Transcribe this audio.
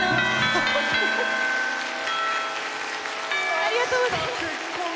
ありがとうございます！